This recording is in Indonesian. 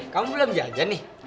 kamu belum jajan nih